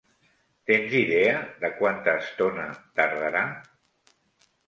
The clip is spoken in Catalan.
Tens idea de quanta estona tardarà?